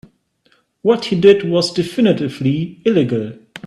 What he did was definitively illegal.